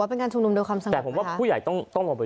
เป็นชุมนุมดัวความสำหรับไหมครับ